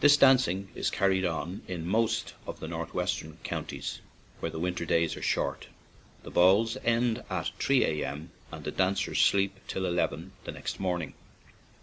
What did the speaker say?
This dancing is carried on in most of the northwestern counties, where the winter days are short. The "balls" end at about 3 A.M., and the dancers sleep till eleven the next morn ing.